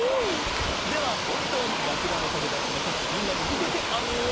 ではほんとうにらくだのかげだったのかみんなにみせてあげよう。